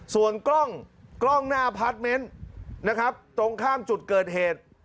ส่วนกล้องหน้าพาร์ทเมนต์นะครับตรงข้ามจุดเกิดเหตุ